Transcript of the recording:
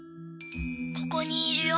ここにいるよ。